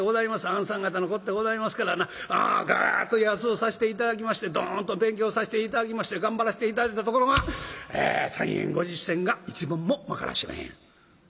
あんさん方のこってございますからなぐっと安うさせて頂きましてどんと勉強させて頂きまして頑張らせて頂いたところが３円５０銭が１文もまからしまへん」。